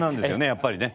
やっぱりね。